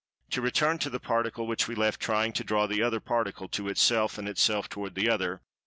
To return to the Particle which we left trying to draw the other Particle to itself, and itself toward the other.